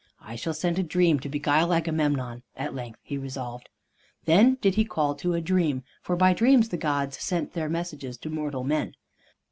"I shall send a Dream to beguile Agamemnon," at length he resolved. Then did he call to a Dream, for by Dreams the gods sent their messages to mortal men.